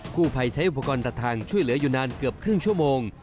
ผู้ภัยใช้อุปกรณ์ตัดทางช่วยเหลืออยู่นานเกือบครึ่งชั่วโมง